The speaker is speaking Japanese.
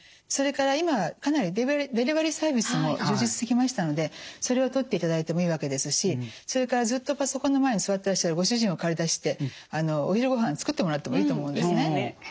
それから今かなりデリバリーサービスも充実してきましたのでそれをとっていただいてもいいわけですしそれからずっとパソコンの前に座ってらっしゃるご主人を駆り出してお昼ごはん作ってもらってもいいと思うんですね。